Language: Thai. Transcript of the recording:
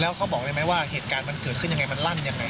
เแล้วเค้าบอกได้ไหมว่าเกิดขึ้นยังไงมาด้วยมันล่างยังไง